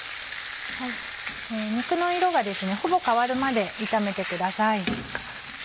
肉の色がほぼ変わるまで炒めてください。